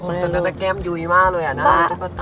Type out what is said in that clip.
ตอนนั้นแก้มยุยมากเลยอะนะตุ๊กตา